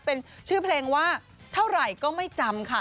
เป็นชื่อเพลงว่าเท่าไหร่ก็ไม่จำค่ะ